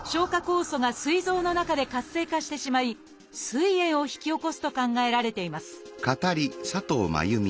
酵素がすい臓の中で活性化してしまいすい炎を引き起こすと考えられています